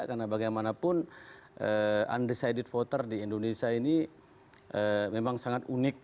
karena bagaimanapun undecided voter di indonesia ini memang sangat unik